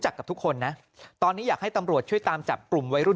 กับทุกคนนะตอนนี้อยากให้ตำรวจช่วยตามจับกลุ่มวัยรุ่น